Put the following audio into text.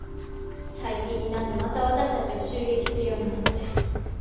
最近になってまた私たちを襲撃するようになって。